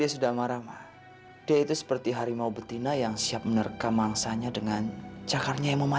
sampai jumpa di video selanjutnya